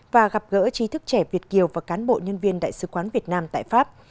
và gặp gỡ trí thức trẻ việt kiều và cán bộ nhân viên đại sứ quán việt nam tại pháp